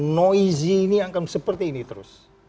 noizy ini akan seperti ini terus